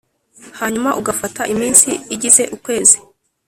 hanyuma ugafata iminsi igize ukwezi